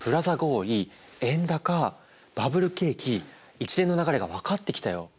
一連の流れが分かってきたよ。